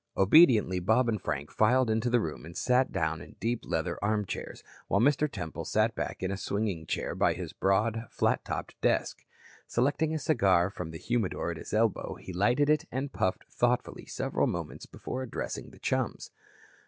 Obediently, Bob and Frank filed into the room and sat down in deep leather armchairs, while Mr. Temple sat back in a swinging chair by his broad, flat topped desk. Selecting a cigar from the humidor at his elbow, he lighted it and puffed thoughtfully several moments before addressing the chums.